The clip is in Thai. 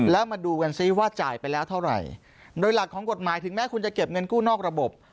แล้วมาดูกันซิว่าจ่ายไปแล้วเท่าไหร่โดยหลักของกฎหมายถึงแม้คุณจะเก็บเงินกู้นอกระบบ